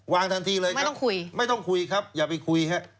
วางค่ะไม่ต้องคุยไม่ต้องคุยครับอย่าไปคุยครับ